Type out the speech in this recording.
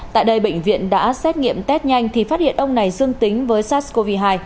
tại đây bệnh viện đã xét nghiệm test nhanh thì phát hiện ông này dương tính với sars cov hai